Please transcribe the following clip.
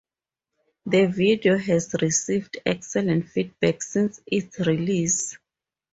The video has received excellent feedback since its release.